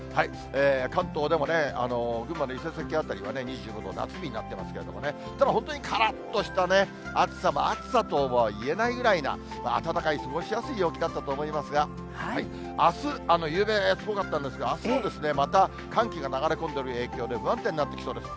関東でもね、群馬の伊勢崎辺りは２５度、夏日になってますけどもね、ただ、本当にからっとしたね、暑さも暑さとはいえないぐらいな、暖かい過ごしやすい陽気だったと思いますが、あす、ゆうべすごかったんですが、あすもまた寒気が流れ込んでる影響で不安定になってきそうです。